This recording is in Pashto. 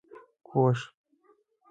کوږ